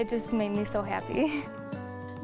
itu membuat saya sangat senang